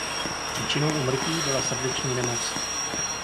Příčinou úmrtí byla srdeční nemoc.